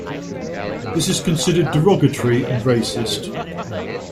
This is considered derogatory and racist.